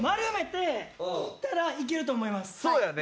そうやね。